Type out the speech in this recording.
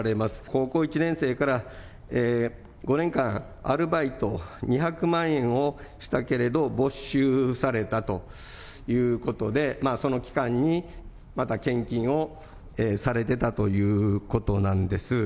高校１年生から５年間、アルバイト、２００万円をしたけれど、没収されたということで、その期間にまた献金をされてたということなんです。